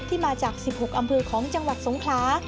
มาจาก๑๖อำเภอของจังหวัดสงคลา